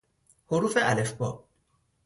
حروف الفبا